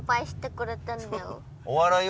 お笑い